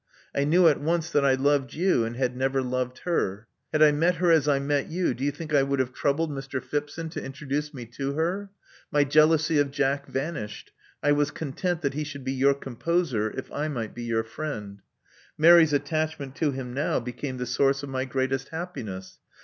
I knew at once that I loved you, and had never loved her. Had I met 2o8 Love Among the Artists her as I met you, do you think I would have troubled Mr. Phipson to introduce me to her? My jealousy of Jack vanished : I was content that he should be your composer, if I might be your friend. Mary's attach ment to him now became the source of my greatest happiness.